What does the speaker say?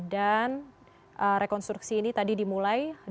dan rekonstruksi ini tadi dimulai dengan